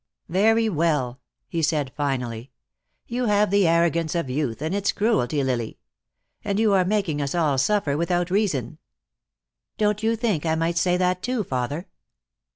"Very well," he said finally. "You have the arrogance of youth, and its cruelty, Lily. And you are making us all suffer without reason." "Don't you think I might say that too, father?"